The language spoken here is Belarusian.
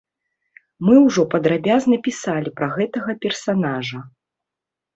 Мы ўжо падрабязна пісалі пра гэтага персанажа.